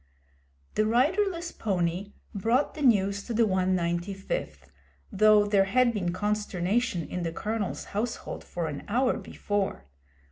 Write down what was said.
The riderless pony brought the news to the 195th, though there had been consternation in the Colonel's household for an hour before.